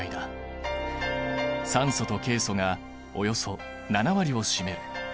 酸素とケイ素がおよそ７割を占める。